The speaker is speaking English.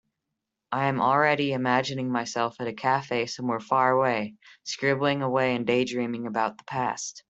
I am already imagining myself at a cafe somewhere far away, scribbling away and daydreaming about the past.